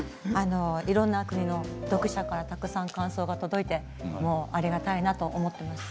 いろんな国の読者からたくさん感想が届いてありがたいなと思っています。